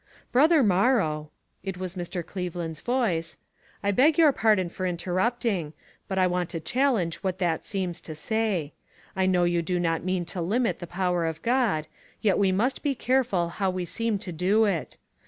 "Brother Morrow" — it was Mr. Cleve land's voice — "I beg your pardon for in terrupting, but I want to challenge what that seems to say. I know you do not mean to limit the power of God, yet we must be careful how we seem to do it.